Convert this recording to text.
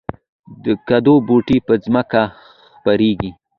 د کدو بوټی په ځمکه خپریږي